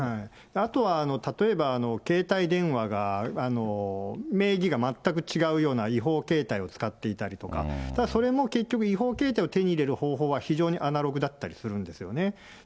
あと例えば携帯電話が名義が全く違うような違法携帯を使っていたりとか、ただそれも結局違法携帯を手に入れる方法は、非常にアナログだったりするんですよね。